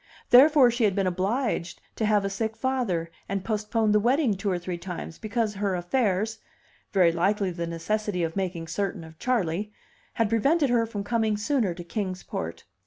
Therefore she had been obliged to have a sick father and postpone the wedding two or three times, because her affairs very likely the necessity of making certain of Charley had prevented her from coming sooner to Kings Port.